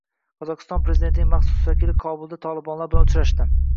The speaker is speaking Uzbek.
Qozog‘iston prezidentining maxsus vakili Kobulda toliblar bilan uchrashdi